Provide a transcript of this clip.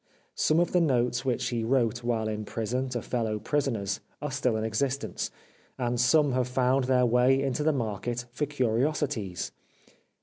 Some of the notes which he wrote while in prison to fellow prisoners are still in existence, and some have found their way into the market for curiosities.